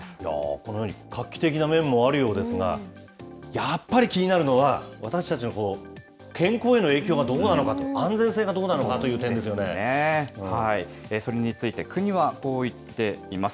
このように画期的な面もあるようですが、やっぱり気になるのは、私たちのこの健康への影響がどうなのかと、安全性がどうなのそれについて国はこう言っています。